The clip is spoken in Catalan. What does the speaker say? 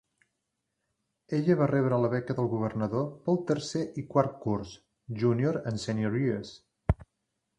Ella va rebre la beca del governador pel tercer i quart curs (junior and senior years).